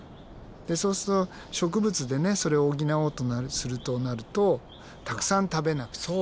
でそうすると植物でねそれを補おうとするとなるとたくさん食べなくちゃいけない。